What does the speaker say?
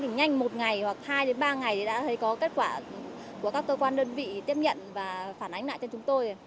nhanh một ngày hoặc hai ba ngày thì đã thấy có kết quả của các cơ quan đơn vị tiếp nhận và phản ánh lại cho chúng tôi